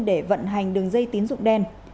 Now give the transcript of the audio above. để vận hành đường dây tín dụng đen